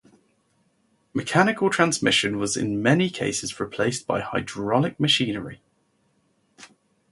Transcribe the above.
Mechanical transmission was in many cases replaced by hydraulic machinery.